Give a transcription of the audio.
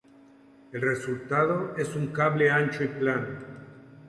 El resultado es un cable ancho y plano.